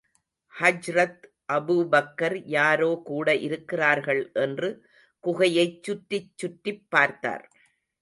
ஹஜ்ரத் அபூபக்கர் யாரோ கூட இருக்கிறார்கள் என்று குகையைச் சுற்றிச் சுற்றிப் பார்த்தார்.